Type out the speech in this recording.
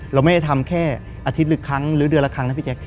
เราไม่ได้ทำแค่อาทิตย์ละครั้งหรือเดือนละครั้งนะพี่แจ๊